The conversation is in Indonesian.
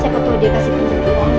saya ketawa dia kasih uang